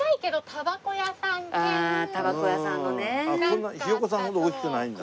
こんなひよこさんほど大きくないんだ。